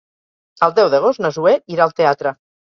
El deu d'agost na Zoè irà al teatre.